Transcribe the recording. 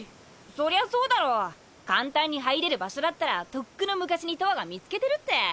そりゃそうだろ簡単に入れる場所だったらとっくの昔にとわが見つけてるって。